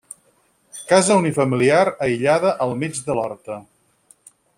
Casa unifamiliar aïllada al mig de l'horta.